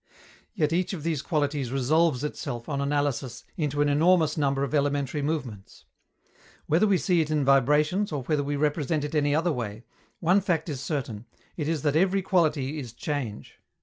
Yet each of these qualities resolves itself, on analysis, into an enormous number of elementary movements. Whether we see in it vibrations or whether we represent it in any other way, one fact is certain, it is that every quality is change.